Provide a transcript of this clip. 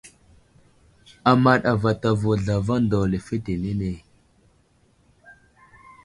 Amaɗ avatavo zlavaŋ daw lefetenene.